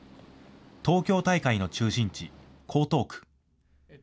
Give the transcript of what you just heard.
東京大会の中心地、江東区。